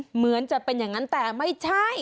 เหมือนจะเป็นอย่างนั้นแต่ไม่ใช่